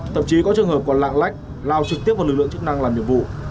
thậm chí có trường hợp còn lạng lách lao trực tiếp vào lực lượng chức năng làm nhiệm vụ